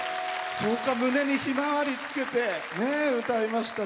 そうか、胸にひまわりつけて歌いました。